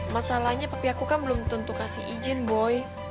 masalahnya tapi aku kan belum tentu kasih izin boy